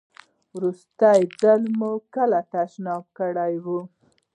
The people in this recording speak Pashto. وروستی ځل مو کله تشناب کړی و؟